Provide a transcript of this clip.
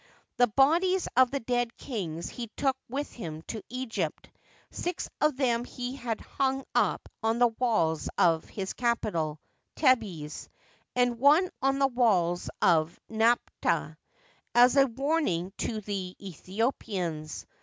The bodies of the dead kings he took with him to Egypt ; six of them he had hung up on the walls of his capital, Thebes, and one on the walls of Napata, as a, warning to the Aethiopians.